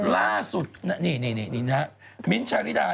ล่าสุด